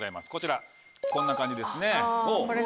こちらこんな感じですね。